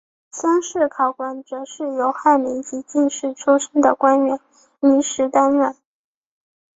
乡试考官则是由翰林及进士出身的官员临时担任。